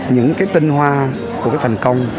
những cái tinh hoa của cái thành công